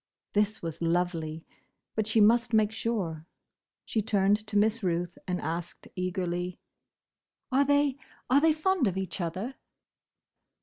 This was lovely! But she must make sure. She turned to Miss Ruth and asked eagerly—"Are they—are they fond of each other?"